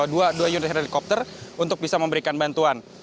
dua dua unit helikopter untuk bisa memberikan bantuan